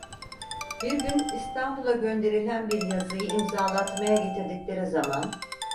Bir gün İstanbul'a gönderilen bir yazıyı imzalatmaya getirdikleri zaman: